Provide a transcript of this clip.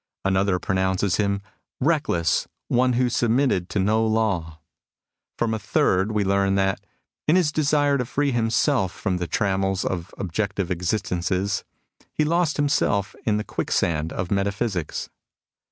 Another pronoimces him " reckless, one who submitted to no law." From a third we learn that " in his desire to free himself from the trammels of objective existences, he lost himself in the quicksands of metaphysics."